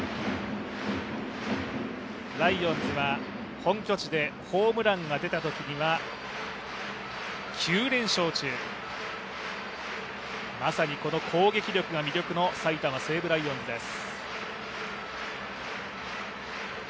ライオンズは本拠地でホームランが出たときには９連勝中、まさにこの攻撃力が魅力の埼玉西武ライオンズです。